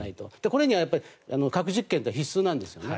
これには核実験は必須なんですね。